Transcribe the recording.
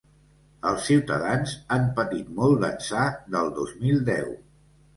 Els ciutadans han patit molt d’ençà del dos mil deu.